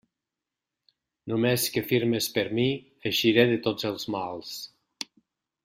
Només que firmes per mi, eixiré de tots els mals.